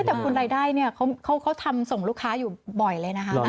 แต่คุณรายได้เนี่ยเขาทำส่งลูกค้าอยู่บ่อยเลยนะคะ